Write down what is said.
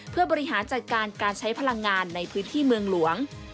เพื่อบริหารจัดการการใช้พลังงานในพื้นที่เมืองหลวง